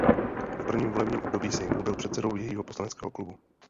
V prvním volebním období Sejmu byl předsedou jejího poslaneckého klubu.